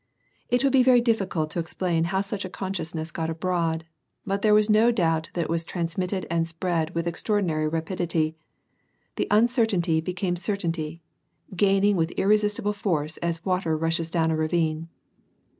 It would be very difficult to explain hov^ such a consciousness got abroad ; but there was no doubt that it was transmitted and spread with extraordinary rapidity : the uncertainty became certainty ; gaining with irresistible force, as water rushes down a ravine.